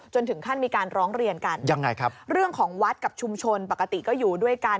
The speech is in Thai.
ถึงขั้นมีการร้องเรียนกันยังไงครับเรื่องของวัดกับชุมชนปกติก็อยู่ด้วยกัน